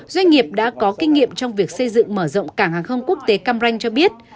doanh nghiệp đã có kinh nghiệm trong việc xây dựng mở rộng cảng hàng không quốc tế cam ranh cho biết